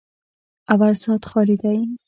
_اول سات خالي دی.